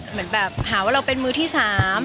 เหมือนแบบหาว่าเราเป็นมือที่๓